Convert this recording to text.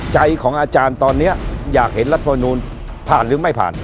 ใจของอาจารย์ตอนนี้อยากเห็นรัฐมนูลผ่านหรือไม่ผ่าน